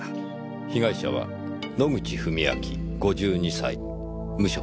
被害者は野口史明５２歳無職。